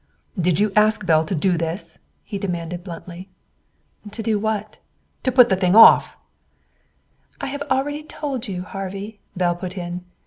"Did you ask Belle to do this?" he demanded bluntly. "To do what?" "To put things off." "I have already told you, Harvey," Belle put in.